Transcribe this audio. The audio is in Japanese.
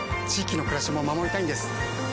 域の暮らしも守りたいんです。